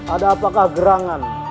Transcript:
ada apakah gerangan